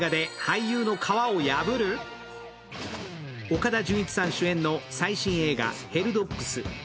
岡田准一さん主演の最新映画「ヘルドッグス」。